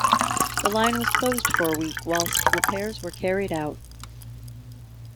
The line was closed for a week whilst repairs were carried out.